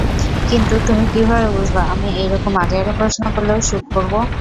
কিন্তু তুমি কিভাবে বুঝবা আমি এইরকম আজাইরা প্রশ্ন করলেও শ্যুট করবো।